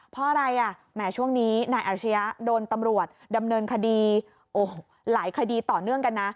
เพราะอะไรอ่ะแหมช่วงนี้นายอาชียะโดนตำรวจดำเนินคดีหลายคดีต่อเนื่องกันนะ